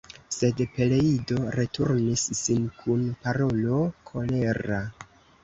Sed Peleido returnis sin kun parolo kolera.